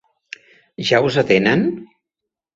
Ja us atenen?